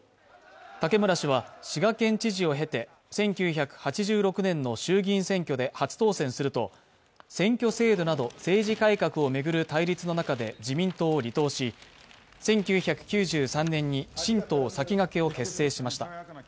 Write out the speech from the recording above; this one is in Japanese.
武村氏は滋賀県知事を経て、１９８６年の衆議院選挙で初当選すると選挙制度など政治改革を巡る対立の中で自民党を離党し１９９３年に新党さきがけを結成しました。